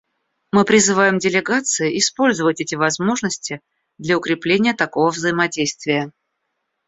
Мы призываем делегации использовать эти возможности для укрепления такого взаимодействия.